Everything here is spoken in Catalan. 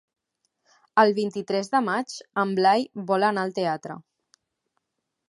El vint-i-tres de maig en Blai vol anar al teatre.